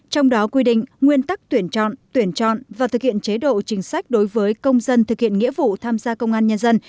trong đó quy định nguyên tắc tuyển chọn tuyển chọn và thực hiện chế độ chính sách đối với công dân thực hiện nghĩa vụ tham gia công an nhân dân